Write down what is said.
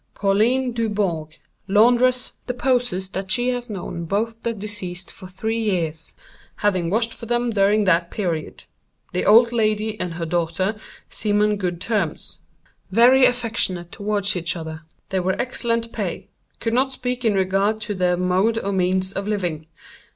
"Pauline Dubourg, laundress, deposes that she has known both the deceased for three years, having washed for them during that period. The old lady and her daughter seemed on good terms—very affectionate towards each other. They were excellent pay. Could not speak in regard to their mode or means of living.